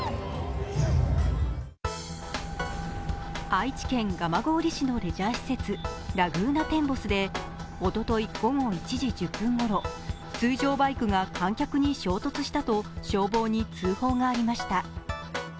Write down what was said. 愛知県蒲郡市のレジャー施設・ラグーナテンボスでおととい午後１時１０分ごろ、水上バイクが観客に衝突したと消防に通報がありました。